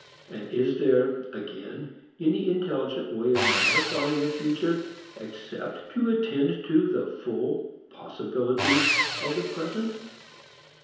And is there, again, any intelligent way of modifying the future except to attend to the full possibilities of the present?